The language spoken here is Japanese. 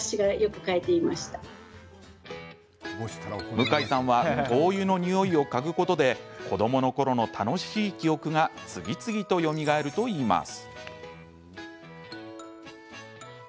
向井さんは灯油の匂いを嗅ぐことで子どものころの楽しい記憶が次々とよみがえるといいます。